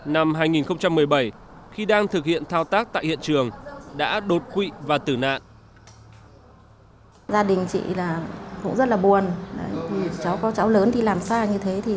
năm hai nghìn một mươi bảy khi đang thực hiện thao tác tại hiện trường đã đột quỵ và tử nạn